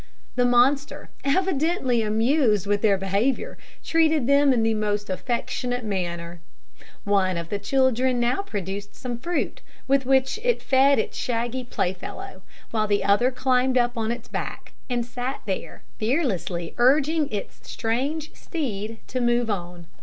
The monster, evidently amused with their behaviour, treated them in the most affectionate manner. One of the children now produced some fruit, with which it fed its shaggy playfellow, while the other climbed up on its back, and sat there, fearlessly urging its strange steed to move on.